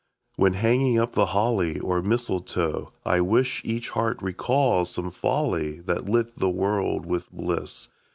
When hanging up the holly or mistletoe, I wis Each heart recalls some folly that lit the world with bliss.